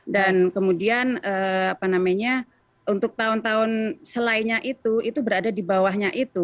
dan kemudian apa namanya untuk tahun tahun selainya itu itu berada di bawahnya itu